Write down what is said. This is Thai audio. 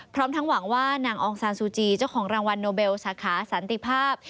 พร้อมทั้งหวังว่านางอองซานซูจีเจ้าของรางวัลโนเบลสาขาสันติภาพ